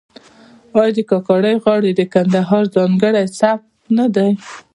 آیا د کاکړۍ غاړې د کندهار ځانګړی سبک نه دی؟